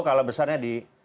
kalah besarnya di